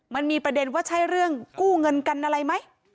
มันมีประเด็นว่าใช่เรื่องกู้เงินกันอะไรไหม